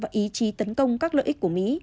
và ý chí tấn công các lợi ích của mỹ